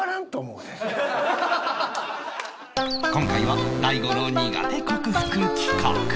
今回は大悟の苦手克服企画